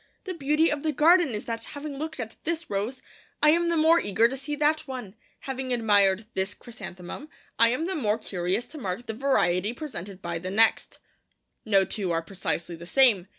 The beauty of the garden is that having looked at this rose, I am the more eager to see that one; having admired this chrysanthemum, I am the more curious to mark the variety presented by the next. No two are precisely the same.